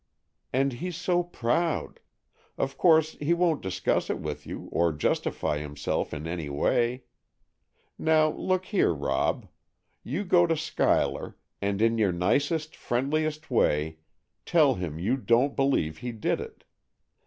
"And he's so proud, of course he won't discuss it with you, or justify himself in any way. Now, look here, Rob: you go to Schuyler, and in your nicest, friendliest way tell him you don't believe he did it.